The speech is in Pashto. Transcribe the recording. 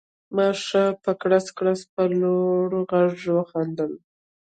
ما ښه په کړس کړس په لوړ غږ وخندل